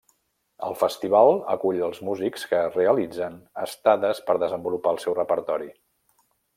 El festival acull els músics que realitzen estades per desenvolupar el seu repertori.